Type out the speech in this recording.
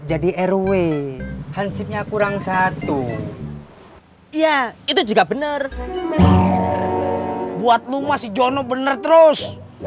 jadi rw hansipnya kurang satu iya itu juga bener buat lu masih jono bener terus